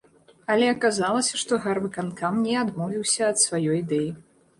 Але аказалася, што гарвыканкам не адмовіўся ад сваёй ідэі.